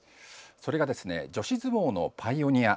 それが女子相撲のパイオニア